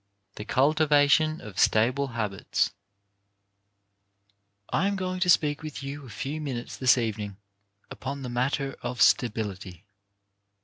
THE CULTIVATION OF STABLE HABITS I am going to speak with you a few minutes this evening upon the matter of stability.